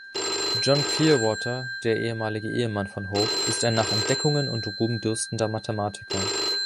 John Clearwater, der ehemalige Ehemann von Hope, ist ein nach Entdeckungen und Ruhm dürstender Mathematiker.